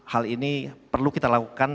hal ini perlu kita lakukan